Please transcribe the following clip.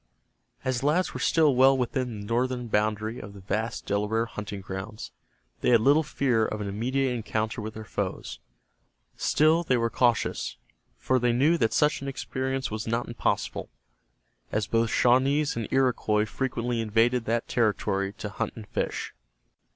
As the lads were still well within the northern boundary of the vast Delaware hunting grounds, they had little fear of an immediate encounter with their foes Still they were cautious, for they knew that such an experience was not impossible, as both Shawnees and Iroquois frequently invaded that territory to hunt and fish.